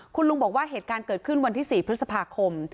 คุณลุงบอกว่าเหตุการณ์เกิดขึ้นวันที่๔พฤษภาคม